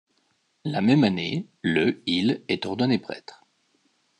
La même année, le il est ordonné prêtre.